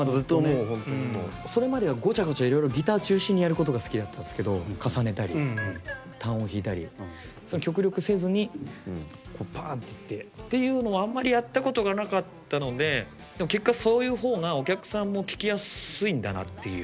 それまではごちゃごちゃいろいろギター中心にやることが好きだったんですけど重ねたり単音弾いたりそれを極力せずにこうパーンっていってっていうのをあんまりやったことがなかったのででも結果そういう方がお客さんも聴きやすいんだなっていう。